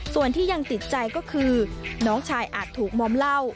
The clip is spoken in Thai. ส่วนที่ยังติดใจก็คือน้องชายอาจถูกมอมเหล้า